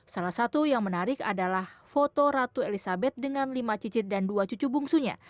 salah satu yang menarik adalah foto ratu elizabeth dengan lima cicit dan dua cucu bungsunya